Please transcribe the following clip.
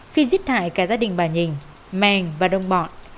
khi giết thải cả gia đình bà nhìn màng và đông bọn